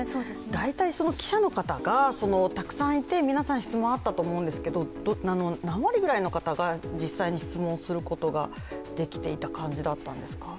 大体、記者の方がたくさんいて、皆さん、質問あったと思うんですけど何割くらいの方が実際に質問することができていた感じなんですか？